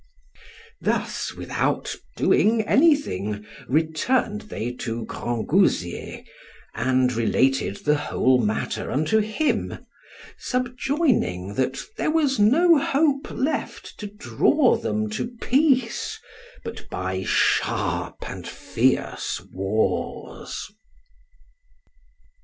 Thus, without doing anything, returned they to Grangousier, and related the whole matter unto him, subjoining that there was no hope left to draw them to peace but by sharp and fierce wars.